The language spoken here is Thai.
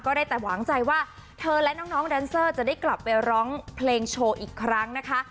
ได้แต่หวังใจว่าเธอและน้องแดนเซอร์จะได้กลับไปร้องเพลงโชว์อีกครั้งนะคะ